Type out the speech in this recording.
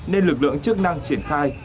nên lực lượng chức năng triển khai